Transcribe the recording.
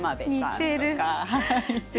似ている。